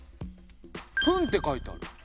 「分」って書いてある。